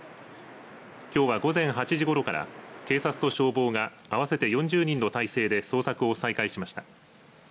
きょうは、午前８時ごろから警察と消防が合わせて４０人態勢で捜索を再開しました。